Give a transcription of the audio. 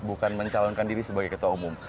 bukan mencalonkan diri sebagai ketua umum